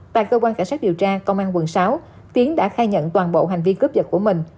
tại cơ quan cảnh sát điều tra công an quận sáu tiến đã khai nhận toàn bộ hành vi cướp giật của mình